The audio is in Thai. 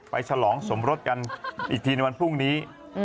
ฉลองสมรสกันอีกทีในวันพรุ่งนี้